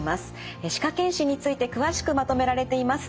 歯科健診について詳しくまとめられています。